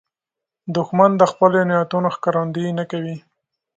دښمن د خپلو نیتونو ښکارندویي نه کوي